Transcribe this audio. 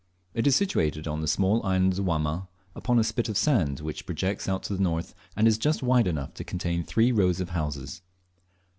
It is situated on the small island of Wamma, upon a spit of sand which projects out to the north, and is just wide enough to contain three rows of houses.